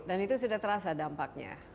dan itu sudah terasa dampaknya